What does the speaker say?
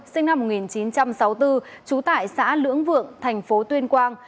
sinh năm một nghìn chín trăm sáu mươi bốn trú tại xã lưỡng vượng thành phố tuyên quang